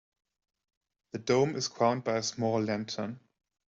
The dome is crowned by a small lantern.